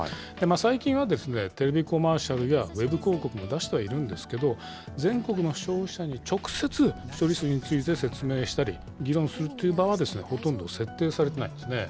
最近はテレビコマーシャルやウェブ広告も出してはいるんですけれども、全国の消費者に直接処理水について説明したり、議論するという場はほとんど設定されていないんですね。